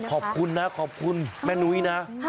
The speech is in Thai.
ขอบคุณนะขอบคุณแม่นุ้ยนะ